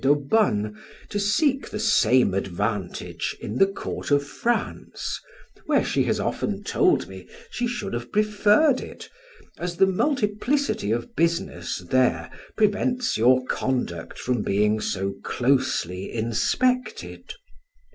d' Aubonne to seek the same advantage in the court of France, where she has often told me she should, have preferred it, as the multiplicity of business there prevents your conduct from being so closely inspected.